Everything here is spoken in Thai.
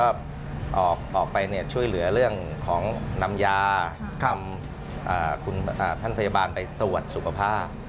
ก็ออกไปช่วยเหลือเรื่องของนำยานำท่านพยาบาลไปตรวจสุขภาพ